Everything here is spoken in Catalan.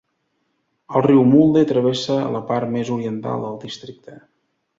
El riu Mulde travessa la part més oriental del districte.